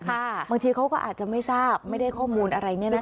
บางทีเขาก็อาจจะไม่ทราบไม่ได้ข้อมูลอะไรเนี่ยนะคะ